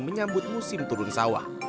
menyambut musim turun sawah